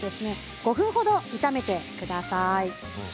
５分ほど炒めてください。